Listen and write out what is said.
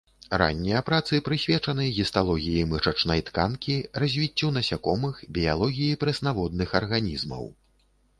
Раннія працы прысвечаны гісталогіі мышачнай тканкі, развіццю насякомых, біялогіі прэснаводных арганізмаў.